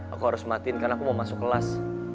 aku harus matiin karena aku mau masuk kelas